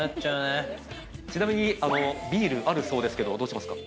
ちなみにビールあるそうですけどどうしますか？